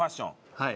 はい。